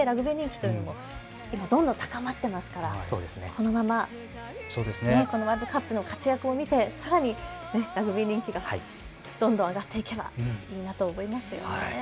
日本全体でラグビー人気というのもどんどん高まっていますからこのままワールドカップの活躍を見てさらにラグビー人気がどんどん上がっていけばいいなと思います。